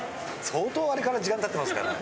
相当あれから時間たってますから。